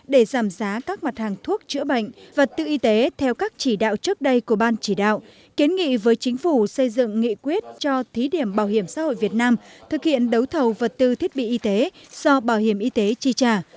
để giảm giá các mặt hàng thuốc chữa bệnh vật tư y tế theo các chỉ đạo trước đây của ban chỉ đạo kiến nghị với chính phủ xây dựng nghị quyết cho thí điểm bảo hiểm xã hội việt nam thực hiện đấu thầu vật tư thiết bị y tế do bảo hiểm y tế chi trả